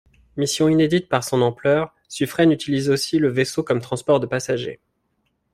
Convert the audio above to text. Mission inédite par son ampleur, Suffren utilise aussi le vaisseau comme transport de passagers.